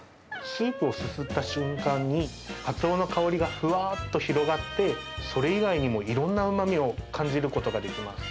スープをすすった瞬間に、かつおの香りがふわーっと広がって、それ以外にもいろんなうまみを感じることができます。